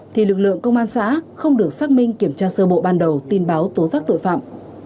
thì lực lượng công an xã không được xác minh kiểm tra sơ bộ ban đầu tin báo tố giác tội phạm